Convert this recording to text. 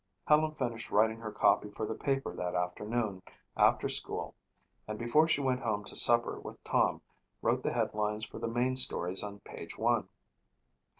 Helen finished writing her copy for the paper that afternoon after school and before she went home to supper with Tom wrote the headlines for the main stories on page one.